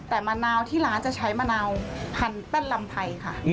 แต่มะนาวที่ร้านจะใช้มะนาวพันแป้นลำไพรค่ะ